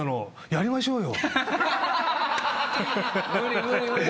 「やりましょうよ！」